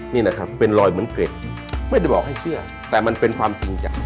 นี่นะครับเป็นรอยเหมือนเกร็ดไม่ได้บอกให้เชื่อแต่มันเป็นความจริงจาก